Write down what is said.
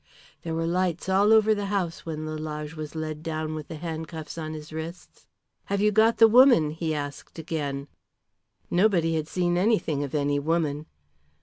There were lights all over the house when Lalage was led down with the handcuffs on his wrists. "Have you got the woman?" he asked again. Nobody had seen anything of any woman.